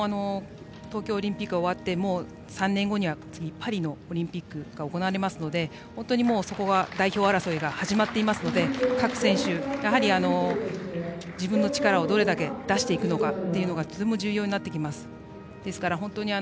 東京オリンピック終わってもう、３年後には次、パリのオリンピックが行われますのでそこは代表争いが始まっていますので各選手、やはり自分の力をどれだけ出していくかというのがとても重要になってきます。